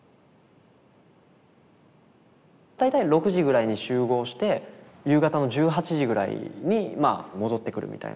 大体６時ぐらいに集合して夕方の１８時ぐらいに戻ってくるみたいな。